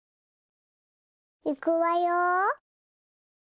いくわよ。